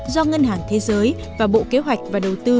do ngân hàng thế giới và bộ kế hoạch và đầu tư